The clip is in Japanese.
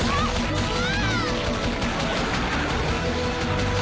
うわ！